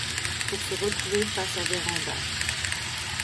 Pour se retrouver face à Vérand'a.